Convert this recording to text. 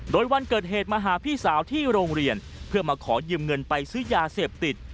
โดยวันเกิดเหตุมาหาพี่สาวที่โรงเรียนเพื่อมาขอยืมเงินไปซื้อยาเสพติด